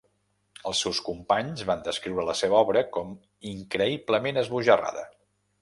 Els seus companys van descriure la seva obra com "increïblement esbojarrada".